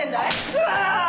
うわ！